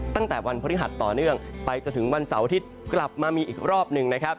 ตั้งแต่วันพฤหัสต่อเนื่องไปจนถึงวันเสาร์อาทิตย์กลับมามีอีกรอบหนึ่งนะครับ